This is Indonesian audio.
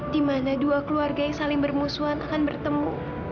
dimana dua keluarga yang saling bermusuhan akan bertemu